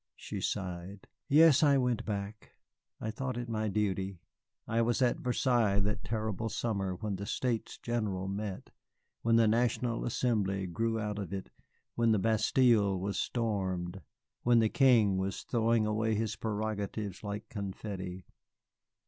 She sighed. "Yes, I went back. I thought it my duty. I was at Versailles that terrible summer when the States General met, when the National Assembly grew out of it, when the Bastille was stormed, when the King was throwing away his prerogatives like confetti.